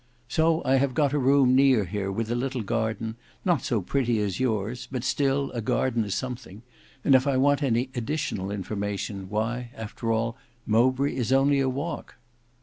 So I have got a room near here, with a little garden, not so pretty as yours; but still a garden is something; and if I want any additional information, why, after all, Mowbray is only a walk."